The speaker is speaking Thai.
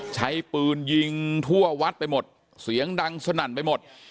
ใช้ปืนยิงทั่ววัดไปหมดเสียงดังสนั่นไปหมด